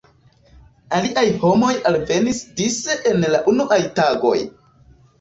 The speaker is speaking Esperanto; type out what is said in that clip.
Aliaj homoj alvenis dise en la unuaj tagoj.